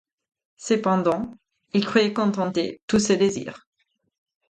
Cependant, il croyait contenter tous ses désirs.